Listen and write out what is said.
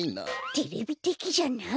テレビてきじゃない？